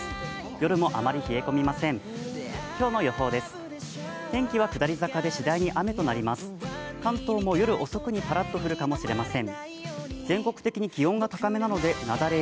夜もあまり冷え込みません。